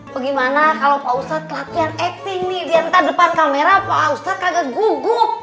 bagaimana kalau pak ustadz pelatihan acting nih diantar depan kamera pak ustadz kagak gugup